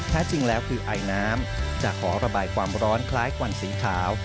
แท้จริงแล้วคือไอน้ำจะขอระบายความร้อนคล้ายควันสีขาว